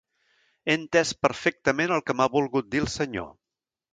He entès perfectament el que m'ha volgut dir el senyor.